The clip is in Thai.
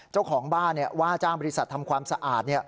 เจ้าของบ้านว่าจ้างบริษัททำความสะอาด